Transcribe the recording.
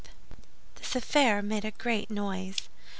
This affair made a great noise.